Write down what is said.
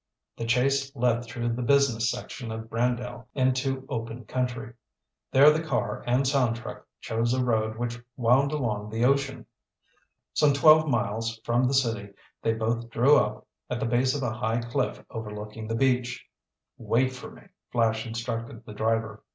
The chase led through the business section of Brandale into open country. There the car and sound truck chose a road which wound along the ocean. Some twelve miles from the city, they both drew up at the base of a high cliff overlooking the beach. "Wait for me," Flash instructed the driver.